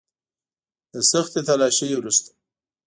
د سختې تلاشۍ وروسته.